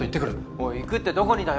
おい行くってどこにだよ。